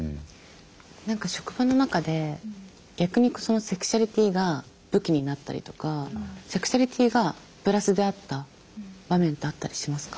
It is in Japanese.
何か職場の中で逆にそのセクシュアリティーが武器になったりとかセクシュアリティーがプラスであった場面ってあったりしますか？